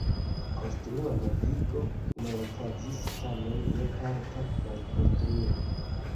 Konstrua novigo ne okazis, tamen ja parta malkonstruo.